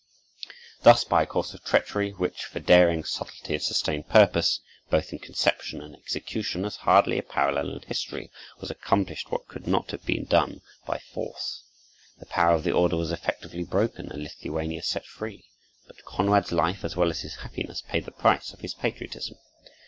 Thus by a course of treachery, which for daring, subtlety, and sustained purpose, both in conception and execution, has hardly a parallel in history, was accomplished what could not have been done by force. The power of the order was effectually broken and Lithuania set free. But Konrad's life, as well as his happiness, paid the price of his patriotism.